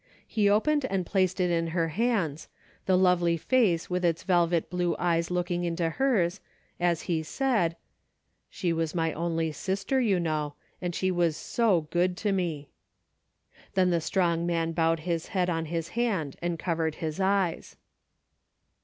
He opened and placed it in her hands, the lovely face with its velvet blue eyes looking into hers, as he said, " She was my only sister, you knoAv, and she was so good to me." Then the strong man bowed his head on his hand and covered his eyes.